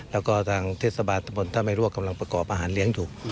แล้วก็ทศบาทบนถ้าไม่รวกกำลังประกอบอาหารเลี้ยงถูก